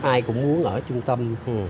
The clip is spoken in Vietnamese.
ai cũng muốn ở trung tâm